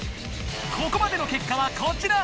ここまでの結果はこちら。